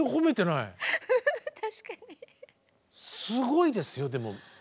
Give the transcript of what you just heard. すごいですよでも。